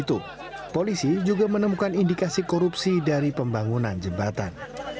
untuk polisi juga menemukan indikasi korupsi dari pembangunan jembatan